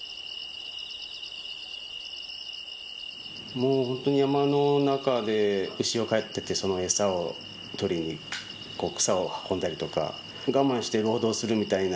もう本当に山の中で牛を飼っててその餌を取りに草を運んだりとか我慢して労働するみたいな。